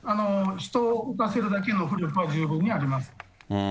人を浮かせるだけの浮力は十分にあります。